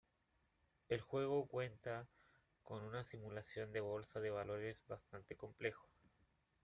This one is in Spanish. El juego cuenta con una simulación de bolsa de valores bastante complejo.